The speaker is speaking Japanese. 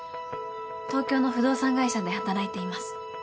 東京の不動産会社で働いています。